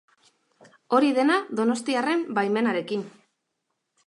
Hori dena, donostiarren baimenarekin.